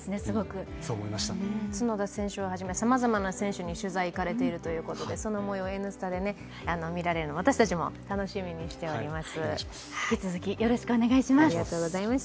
角田選手をはじめ、さまざまな選手に取材に行かれているということでそのもよう、「Ｎスタ」で見られるの私たちも楽しみにしています。